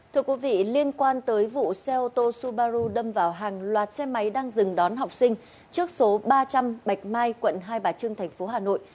thưa quý vị liên quan tới vụ xe ô tô subaru đâm vào hàng loạt xe máy đang dừng đón học sinh trước số ba trăm linh bạch mai quận hai bà trưng thành phố hà nội